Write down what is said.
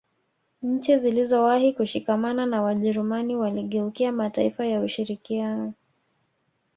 Nchi zilizowahi kushikamana na Wajerumani waligeukia mataifa ya ushirikiano